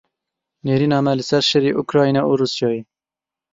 Nêrîna me li ser şerê Ukrayna û Rûsyayê.